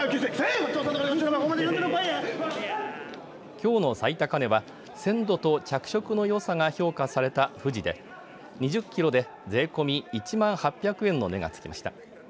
きょうの最高値は鮮度と着色のよさが評価されたふじで２０キロで税込み１万８００円の値が付きました。